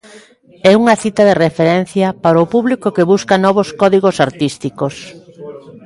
É unha cita de referencia para o público que busca novos códigos artísticos.